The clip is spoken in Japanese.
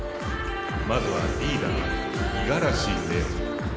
・まずはリーダー・五十嵐れお